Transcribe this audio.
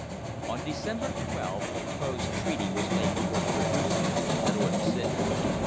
On December 12 the proposed treaty was laid before the producers at Oil City.